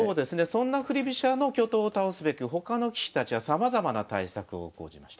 そんな振り飛車の巨頭を倒すべく他の棋士たちはさまざまな対策を講じました。